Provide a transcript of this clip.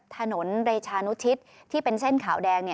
ถนนเรชานุชิตที่เป็นเส้นขาวแดง